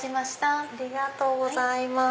ありがとうございます。